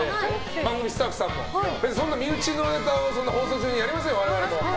番組スタッフさんも身内のネタを放送中にやりませんよ、我々も。